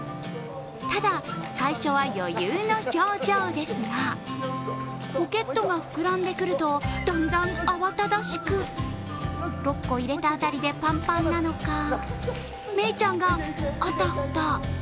ただ、最初は余裕の表情ですがポケットが膨らんでくるとだんだん慌ただしく６個入れた辺りでパンパンなのか、メイちゃんがあたふた。